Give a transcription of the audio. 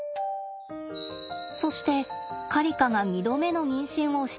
そしてカリカが２度目の妊娠をした時。